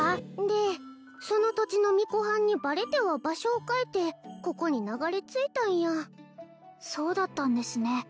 でその土地の巫女はんにバレては場所を変えてここに流れついたんやそうだったんですね